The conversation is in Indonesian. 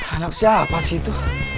anak siapa sih itu